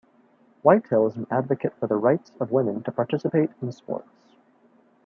Whitehill is an advocate for the rights of women to participate in sports.